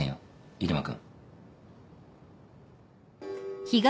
入間君。